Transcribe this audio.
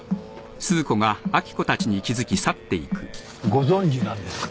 ご存じなんですか？